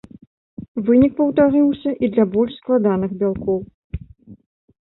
Вынік паўтарыўся і для больш складаных бялкоў.